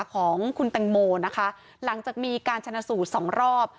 ของคุณแตงโมนะคะหลังจากมีการชนะสูตรสองรอบ